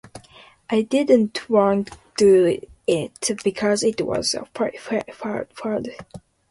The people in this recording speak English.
I didn't want to do it because it was a fad.